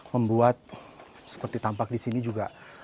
membuat seperti tampak di sini juga